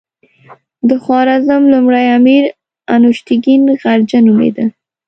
د خوارزم لومړی امیر انوشتګین غرجه نومېده.